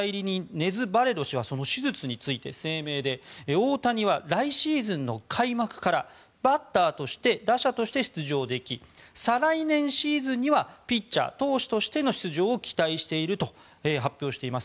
ネズ・バレロ氏はその手術について声明で大谷は来シーズンの開幕からバッターとして打者として出場でき再来年シーズンにはピッチャー、投手としての出場を期待していると発表しています。